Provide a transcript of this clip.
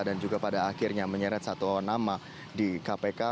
dan juga pada akhirnya menyeret satu nama di kpk